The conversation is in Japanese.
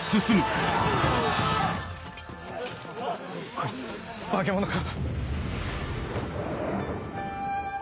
こいつ化け物か。